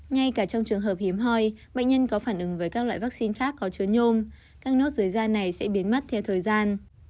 ngay cả trong trường hợp hiếm hoi bệnh nhân có phản ứng với các loại vaccine khác có chứa nhôm các nốt dưới da này sẽ biến mất theo thời gian